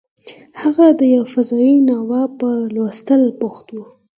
هغه د یو فضايي ناول په لوستلو بوخت و